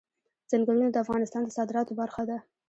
ځنګلونه د افغانستان د صادراتو برخه ده.